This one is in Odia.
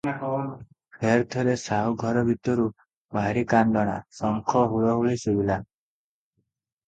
ଫେର୍ ଥରେ ସାହୁ ଘର ଭିତରୁ ଭାରି କାନ୍ଦଣା, ଶଙ୍ଖ ହୁଳହୁଳି ଶୁଭିଲା ।